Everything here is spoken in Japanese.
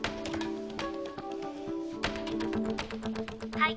☎はい。